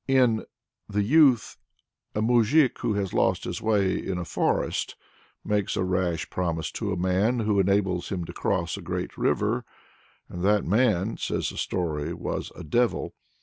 In "The Youth," a moujik, who has lost his way in a forest makes the rash promise to a man who enables him to cross a great river; "and that man (says the story) was a devil."